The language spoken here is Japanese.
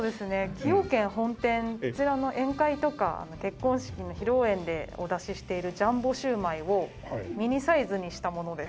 崎陽軒本店そちらの宴会とか結婚式の披露宴でお出ししているジャンボシウマイをミニサイズにしたものです。